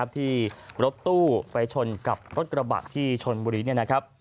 ที่รถตู้ไปชนกับรถกระบะที่ชนบุรี